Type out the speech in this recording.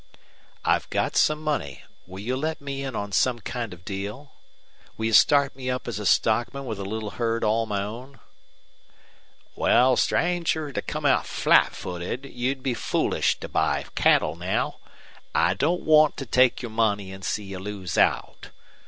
"I've got some money. Will you let me in on some kind of deal? Will you start me up as a stockman with a little herd all my own?" "Wal, stranger, to come out flat footed, you'd be foolish to buy cattle now. I don't want to take your money an' see you lose out.